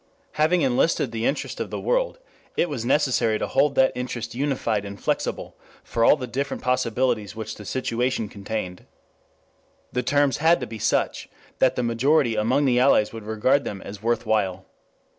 Having enlisted the interest of the world, it was necessary to hold that interest unified and flexible for all the different possibilities which the situation contained. The terms had to be such that the majority among the Allies would regard them as worth while.